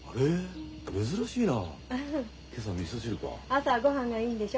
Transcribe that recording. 朝はごはんがいいんでしょ？